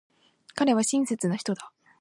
彼は親切な人だ。